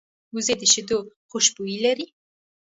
وزې د شیدو خوشبويي لري